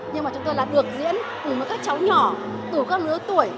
nhưng chúng tôi được diễn từ các cháu nhỏ từ các nữ tuổi